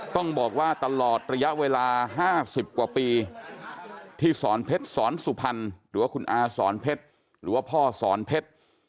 ต้องบอกว่าตลอดระยะเวลา๕๐กว่าปีที่สอนเพชรสอนสุพรรณหรือว่าคุณอาสอนเพชรหรือว่าพ่อสอนเพชร